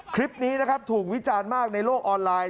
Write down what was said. คลิปนี้นะครับถูกวิจารณ์มากในโลกออนไลน์